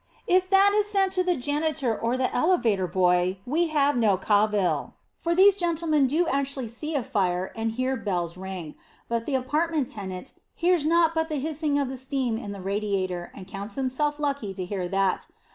If that is sent to the janitor or the elevator boy we have no cavil, for these gentlemen do actually see a fire and hear bells ring; but the apartment tenant hears naught but the hissing of the steam in the radiator, and counts himself lucky to hear that.